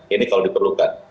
ini kalau diperlukan